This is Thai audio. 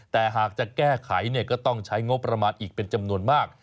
แต่หากจะแก้ไขก็ต้องใช้งบประมาณอีกเป็นจำนวนมาก